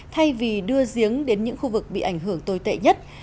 thay vì đưa giếng đến những khu vực bị ảnh hưởng tồi tệ nhất